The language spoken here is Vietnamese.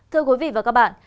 thưa quý vị và các bạn